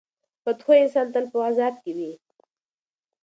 بد خویه انسان تل په عذاب کې وي.